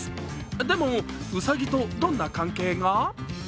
でも、うさぎとどんな関係が？